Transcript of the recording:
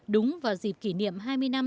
đúng vào dịp kỷ niệm hai mươi năm